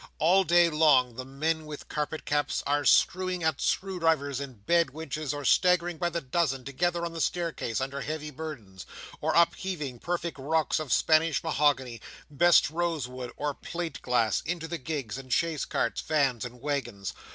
All day long, the men with carpet caps are screwing at screw drivers and bed winches, or staggering by the dozen together on the staircase under heavy burdens, or upheaving perfect rocks of Spanish mahogany, best rose wood, or plate glass, into the gigs and chaise carts, vans and waggons.